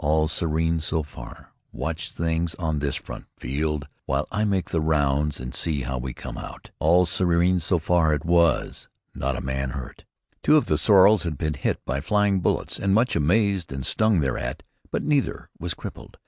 "All serene so far. Watch things on this front, Field, while I make the rounds and see how we came out." "All serene so far" it was! Not a man hurt. Two of the sorrels had been hit by flying bullets and much amazed and stung thereat, but neither was crippled.